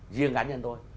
riêng cá nhân tôi